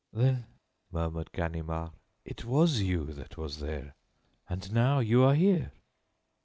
"Then," murmured Ganimard, "it was you that was there? And now you are here?"